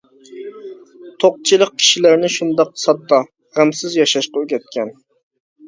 توقچىلىق كىشىلەرنى شۇنداق ساددا. غەمسىز ياشاشقا ئۆگەتكەن.